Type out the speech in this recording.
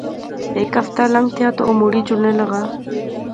ہیک ہفتہ لنگتھا تہ او مڑی جلنے لاغا